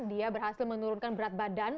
dia berhasil menurunkan berat badan